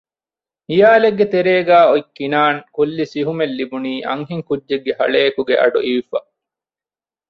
ހިޔާލެއްގެ ތެރޭގައި އޮތް ކިނާން ކުއްލި ސިހުމެއް ލިބުނީ އަންހެން ކުއްޖެއްގެ ހަޅޭކުގެ އަޑުއިވިފަ